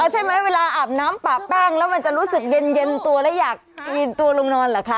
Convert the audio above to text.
ใช่ไหมเวลาอาบน้ำปากแป้งแล้วมันจะรู้สึกเย็นตัวแล้วอยากกินตัวลงนอนเหรอคะ